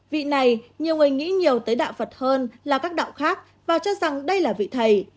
vị này nhiều người nghĩ nhiều tới đạo phật hơn là các đạo khác và cho rằng đây là vị thầy